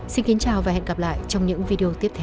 xin kính chào và hẹn gặp lại trong những video tiếp theo